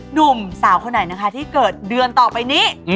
หนุ่มสาวคนไหนนะคะที่เกิดเดือนต่อไปนี้